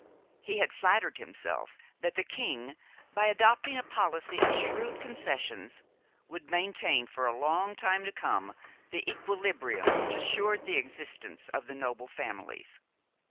He had flattered himself that the king, by adopting a policy of shrewd concessions, would maintain for a long time to come the equilibrium which assured the existence of the noble families.